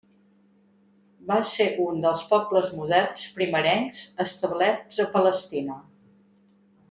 Va ser un dels pobles moderns primerencs establerts a Palestina.